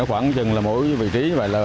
khoảng chừng là mỗi vị trí như vậy là